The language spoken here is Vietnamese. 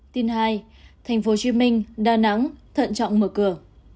tin hai tp hcm đà nẵng thận trọng mở cửa